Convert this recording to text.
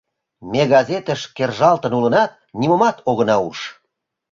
Ме газетыш кержалтын улынат, нимомат огына уж.